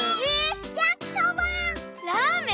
ラーメン？